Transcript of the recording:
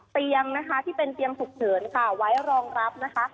เตียงนะคะที่เป็นเตียงฉุกเฉินค่ะไว้รองรับนะคะ